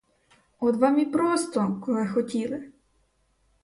От вам і просто, коли хотіли!